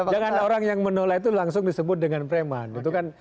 jangan orang yang menolak itu langsung disebut dengan preman